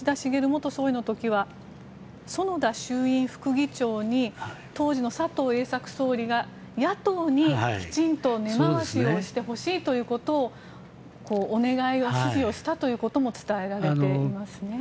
元総理の時は衆院副議長に当時の佐藤栄作総理が野党にきちんと根回しをしてほしいということをお願い、指示をしたということも伝えられていますね。